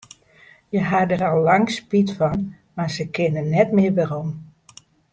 Hja hawwe dêr al lang spyt fan, mar se kinne net mear werom.